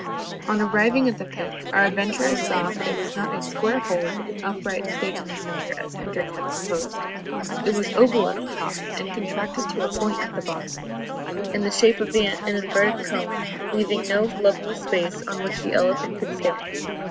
On arriving at the pit, our adventurers saw that it was not a square hole with an upright stake in the centre, as Hendrik had supposed. It was oval at the top and contracted to a point at the bottom, in the shape of an inverted cone, leaving no level space on which the elephant could stand.